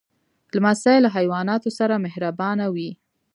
لمسی له حیواناتو سره مهربانه وي.